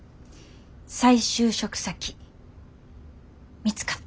再就職先見つかった。